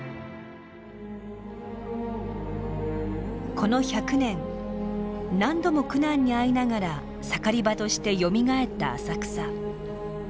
この１００年何度も苦難に遭いながら盛り場としてよみがえった浅草。